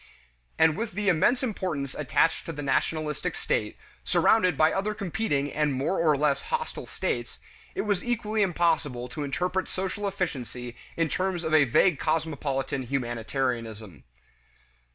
And with the immense importance attached to the nationalistic state, surrounded by other competing and more or less hostile states, it was equally impossible to interpret social efficiency in terms of a vague cosmopolitan humanitarianism.